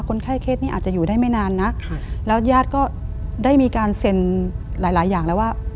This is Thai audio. คนไข้เคสนี้อาจจะอยู่ได้ไม่นานนักแล้วญาติก็ได้มีการเซ็นหลายหลายอย่างแล้วว่า